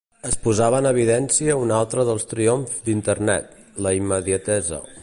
Es posava en evidència un altre dels triomfs d'Internet: la immediatesa.